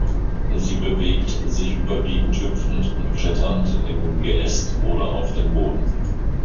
Sie bewegt sich überwiegend hüpfend und kletternd im Geäst oder auf dem Boden.